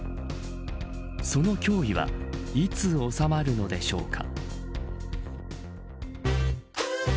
その脅威はいつ収まるのでしょうか。